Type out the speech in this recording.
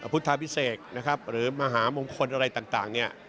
พุทธพิเศษนะครับหรือมหามงคลอะไรต่างเนี่ย